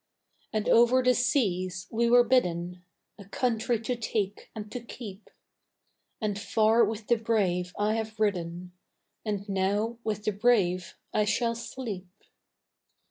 And over the seas we were bidden A country to take and to keep; And far with the brave I have ridden, And now with the brave I shall sleep.